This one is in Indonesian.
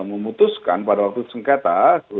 memutuskan pada waktu sengketa